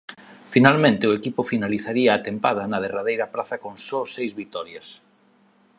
Finalmente o equipo finalizaría a tempada na derradeira praza con só seis vitorias.